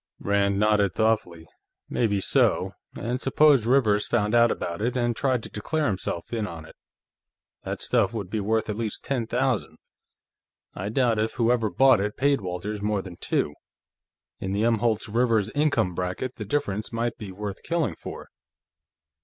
Rand nodded thoughtfully. "Maybe so. And suppose Rivers found out about it, and tried to declare himself in on it. That stuff would be worth at least ten thousand; I doubt if whoever bought it paid Walters more than two. In the Umholtz Rivers income bracket, the difference might be worth killing for."